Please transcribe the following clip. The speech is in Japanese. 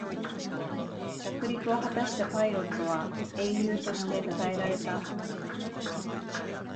着陸を果たしたパイロットは英雄としてたたえられた